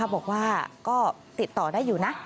บอกว่าก็ติดต่อได้อยู่นะ